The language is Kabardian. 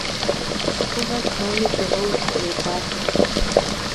ЦӀыхугъэр псоми дыгъэу хурегуапэ.